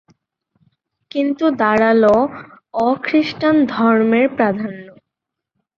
কিন্তু দাঁড়াল অ-খ্রীষ্টান ধর্মের প্রাধান্য।